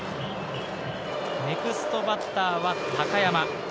ネクストバッターは高山。